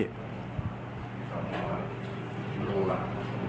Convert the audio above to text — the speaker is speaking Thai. พี่รู้แล้ว